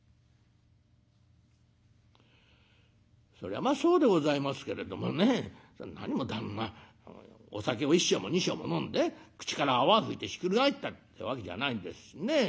「そりゃまあそうでございますけれどもね何も旦那お酒を１升も２升も飲んで口から泡吹いてひっくり返ったってわけじゃないんですしね。